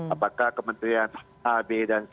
apakah kementerian a b dan c ini telah mampu menjabarkan visinya